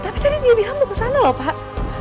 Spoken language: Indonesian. tapi tadi dia bilang mau ke sana pak